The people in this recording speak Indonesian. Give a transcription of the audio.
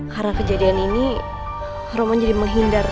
karena kejadian ini roman jadi menghindar dari gue